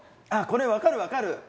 ああ、これ分かる、分かる。